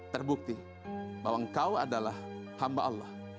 terbukti bahwa engkau adalah hamba allah